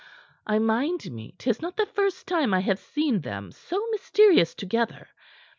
I mind me 'tis not the first time I have seen them so mysterious together.